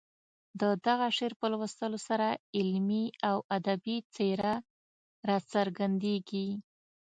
د دغه شعر په لوستلو سره علمي او ادبي څېره راڅرګندېږي.